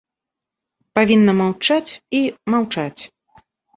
Павінна маўчаць і маўчаць.